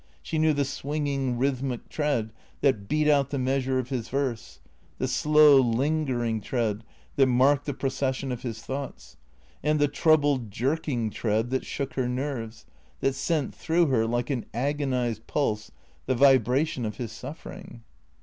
She knew the swinging, rhythmic tread that beat out the measure of his verse, the slow, lingering tread that marked the procession of his thoughts, and the troubled, jerking tread that shook her nerves, that sent through her, like an agonized pulse, the vibration of his suffering.